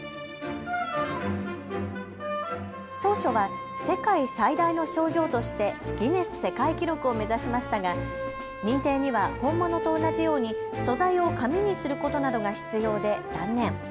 当初は世界最大の賞状としてギネス世界記録を目指しましたが認定には本物と同じように素材を紙にすることなどが必要で断念。